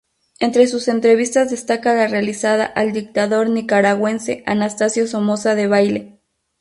Entre sus entrevistas destaca la realizada al dictador nicaragüense Anastasio Somoza Debayle.